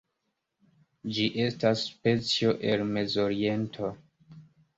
Ĝi estas specio el Mezoriento.